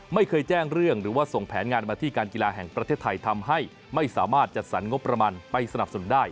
ไม่เคยแจ้งเรื่องหรือว่าส่งแผนงานมาที่การกีฬาแห่งประเทศไทยทำให้ไม่สามารถจัดสรรงบประมาณไปสนับสนุนได้